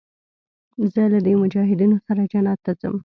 زه له دې مجاهدينو سره جنت ته ځم.